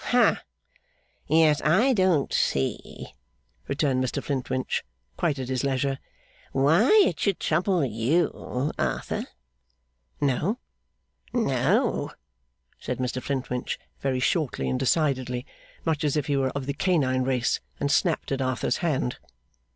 'Hah! Yet I don't see,' returned Mr Flintwinch, quite at his leisure, 'why it should trouble you, Arthur.' 'No?' 'No,' said Mr Flintwinch, very shortly and decidedly: much as if he were of the canine race, and snapped at Arthur's hand.